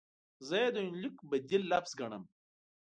زه یې د یونلیک بدیل لفظ ګڼم.